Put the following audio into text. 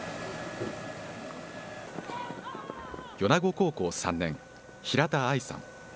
米子高校３年、平田愛さん。